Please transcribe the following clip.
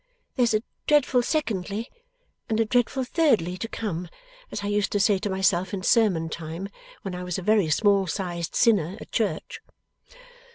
There's a dreadful Secondly, and a dreadful Thirdly to come as I used to say to myself in sermon time when I was a very small sized sinner at church.